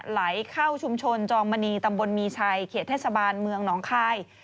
ไหลเข้าชุมชนจอมมณีตำบลมีชัยเขตเทศบาลเมืองหนองคาย